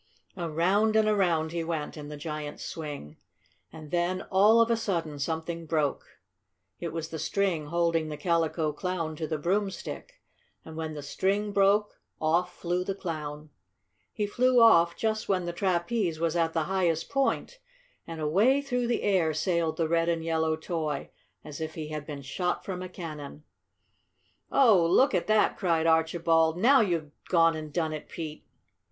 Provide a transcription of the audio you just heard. Around and around he went in the giant's swing. And then, all of a sudden, something broke. It was the string holding the Calico Clown to the broomstick. And when the string broke off flew the Clown! He flew off just when the trapeze was at the highest point, and away through the air sailed the red and yellow toy, as if he had been shot from a cannon. "Oh, look at that!" cried Archibald, "Now you've gone and done it, Pete!"